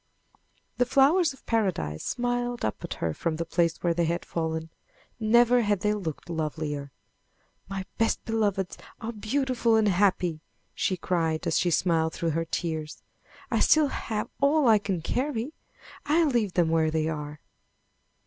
The flowers of Paradise smiled up at her from the place where they had fallen. Never had they looked lovelier. "My best beloveds are beautiful and happy!" she cried as she smiled through her tears. "I still have all I can carry! I'll leave them where they are!"